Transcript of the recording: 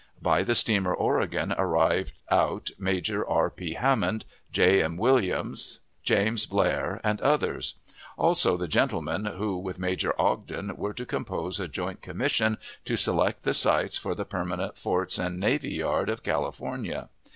By the steamer Oregon arrived out Major R. P. Hammond, J. M. Williams, James Blair, and others; also the gentlemen who, with Major Ogden, were to compose a joint commission to select the sites for the permanent forts and navyyard of California.